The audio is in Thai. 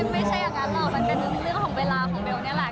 ไม่ใช่อย่างนั้นหรอกมันเป็นเรื่องของเวลาของเบลนี่แหละ